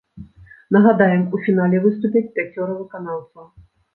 Нагадаем, у фінале выступяць пяцёра выканаўцаў.